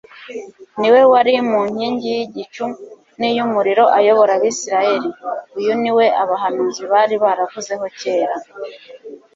Ni We wari mu nkingi y'igicu n'iy'umuriro ayobora Abisiraheli. Uyu ni We abahanuzi bari baravuzeho kera.